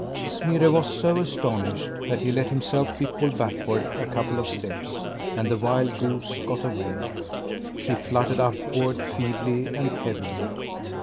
Smirre was so astonished that he let himself be pulled backward a couple of steps and the wild goose got away. She fluttered upward feebly and heavily.